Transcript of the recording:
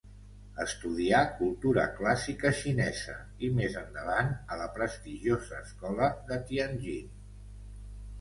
Estudià Cultura clàssica xinesa i més endavant, a la prestigiosa escola de Tianjin.